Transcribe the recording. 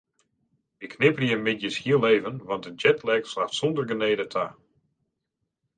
Wy knipperje middeis hiel even want de jetlag slacht sûnder genede ta.